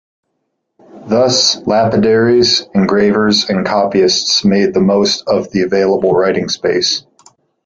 Thus, lapidaries, engravers and copyists made the most of the available writing space.